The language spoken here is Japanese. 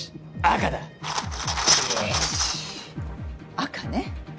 赤ね。